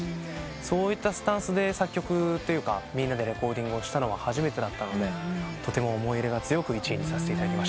そういったスタンスで作曲というかみんなでレコーディングをしたのは初めてだったのでとても思い入れが強く１位にさせていただきました。